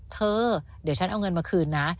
เธอเดี๋ยวฉันเอาเงินมาคืนนะ